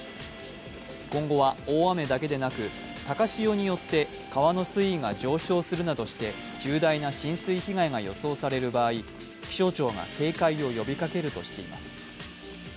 今後は大雨だけでなく、高潮によって川の水位が上昇するなどして重大な浸水被害が予想される場合、気象庁が警戒を呼びかけるとしています。